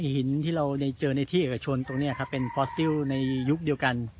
หินที่เราเจอในที่เอกชนตรงนี้ครับเป็นฟอสติลในยุคเดียวกัน